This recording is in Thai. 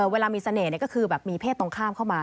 เวลามีเสน่ห์ก็คือแบบมีเพศตรงข้ามเข้ามา